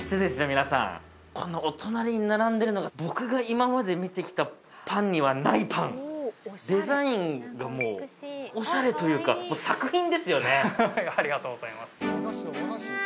皆さんこのお隣に並んでるのが僕が今まで見てきたパンにはないパンデザインがもうオシャレというか作品ですよねありがとうございます